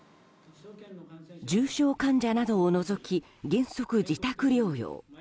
重症患者などを除き原則自宅療養。